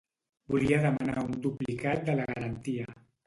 Volia demanar un duplicat de la garantia.